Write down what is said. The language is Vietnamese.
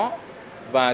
và chúng ta chế biến nó